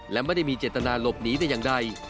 และไม่ได้มีเจตนาหลบหนีแต่อย่างใด